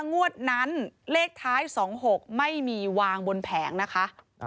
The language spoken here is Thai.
งวดนั้นเลขท้าย๒๖ไม่มีวางบนแผงนะคะ